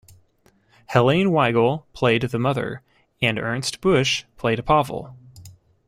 Helene Weigel played the Mother and Ernst Busch played Pavel.